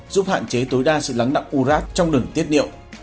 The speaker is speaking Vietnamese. giúp hạn chế tối đa sự lắng nặng u rác trong đường tiết niệu